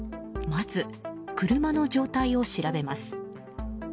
まず、車の状態を調べます。